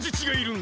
ん？